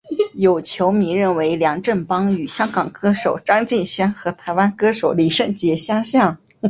有球迷认为梁振邦与香港歌手张敬轩和台湾歌手李圣杰相像。